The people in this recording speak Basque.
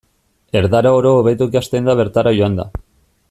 Erdara oro hobeto ikasten da bertara joanda.